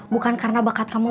bukan karena bakat kamu